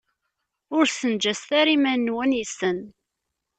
Ur ssenǧaset ara iman-nwen yes-sen.